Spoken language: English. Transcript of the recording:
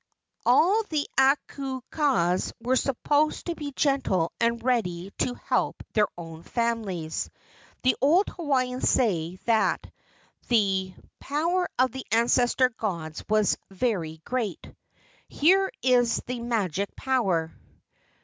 All the aumakuas were supposed to be gentle and ready to help their own families. The old Hawaiians say that the 2 54 DESCRIPTION power of the ancestor gods was very great. "Here is the magic power.